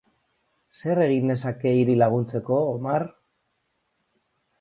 Zer egin nezake hiri laguntzeko, Omar?